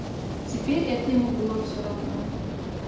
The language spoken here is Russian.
Теперь это ему было всё равно.